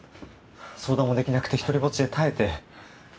相談もできなくて独りぼっちで耐えて